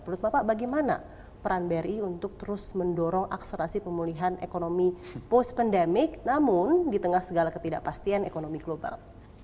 menurut bapak bagaimana peran bri untuk terus mendorong akselerasi pemulihan ekonomi post pandemic namun di tengah segala ketidakpastian ekonomi global